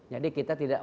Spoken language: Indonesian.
jadi kita tidak